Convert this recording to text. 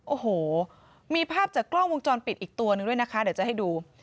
โอ้โหมีภาพจากกล้องวงจรปิดอีกตัวนึงด้วยนะคะเดี๋ยวจะให้ดู